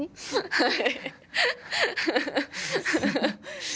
はい。